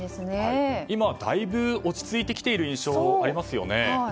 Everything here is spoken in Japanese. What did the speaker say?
今、だいぶ落ち着いてきている印象がありますよね。